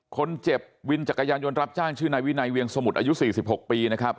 คนเจ็บวินจักรยานยนต์รับจ้างชื่อนายวินัยเวียงสมุทรอายุ๔๖ปีนะครับ